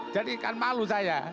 jadi kan malu saya